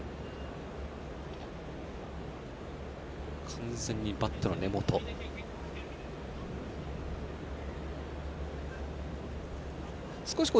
完全にバットの根元でした。